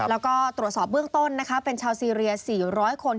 แล้วก็ตรวจสอบเบื้องต้นนะคะเป็นชาวซีเรีย๔๐๐คน